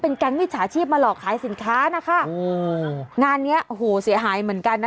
เป็นการ์นวิทยาชีพมาหลอกขายสินค้านะคะโอ้งานเนี้ยโหเสียหายเหมือนกันนะ